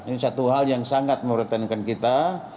ini satu hal yang sangat meretenkan kita